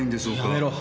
やめろ。